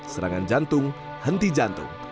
serangan jantung henti jantung